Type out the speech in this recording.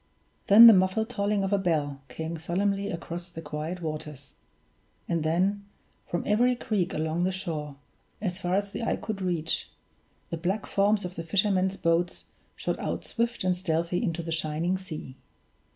Then the muffled tolling of a bell came solemnly across the quiet waters; and then, from every creek along the shore, as far as the eye could reach, the black forms of the fishermen's boats shot out swift and stealthy into the shining sea.